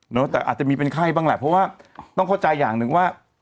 แต่อาจจะมีเป็นไข้บ้างแหละเพราะว่าต้องเข้าใจอย่างหนึ่งว่า